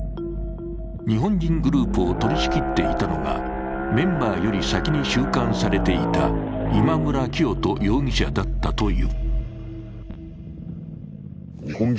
日本人グループを取りしきっていたのがメンバーより先に収監されていた今村磨人容疑者だったという。